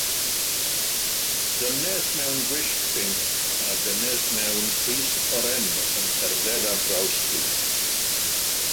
Dynes mewn gwisg binc a dynes mewn crys oren yn cerdded ar draws stryd.